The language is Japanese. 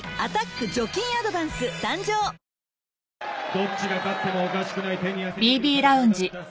どっちが勝ってもおかしくない手に汗握る戦いだった。